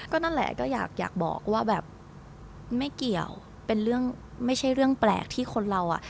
นั่นแหละก็อยากบอกว่าแบบไม่เกี่ยวเป็นเรื่องไม่ใช่เรื่องแปลกที่คนเราอ่ะ